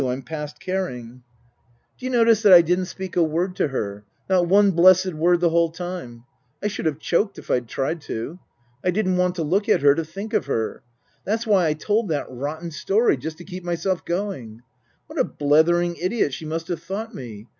I'm past caring. 28 Tasker Jevons " D'you notice that I didn't speak a word to her not one blessed word the whole time ? I should have choked if I'd tried to. I didn't want to look at her, to think of her. That's why I told that rotten story, just to keep myself going. What a blethering idiot she must have thought me